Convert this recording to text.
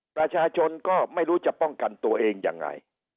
ประชาชนก็ไม่รู้จะป้องกันตัวเองยังไง